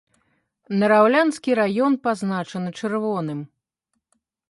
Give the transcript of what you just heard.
Нараўлянскі раён пазначаны чырвоным.